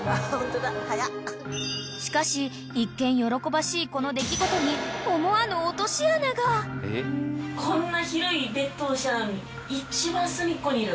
［しかし一見喜ばしいこの出来事に思わぬ落とし穴が］こんな。